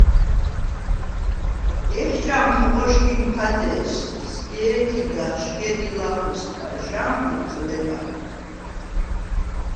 ეხჭამხ ღოშგიმ ფადე̄ს, სგ’ე̄თი̄დახ შგედი ლახვისგა, ჟანხვიტხ ლეკარ.